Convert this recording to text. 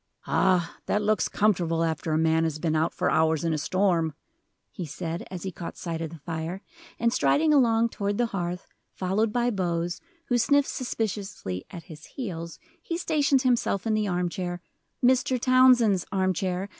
"Ah, that looks comfortable after a man has been out for hours in a storm," he said, as he caught sight of the fire; and striding along toward the hearth, followed by Bose, who sniffed suspiciously at his heels, he stationed himself in the arm chair Mr. Townsend's arm chair!